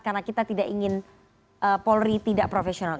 karena kita tidak ingin polri tidak profesional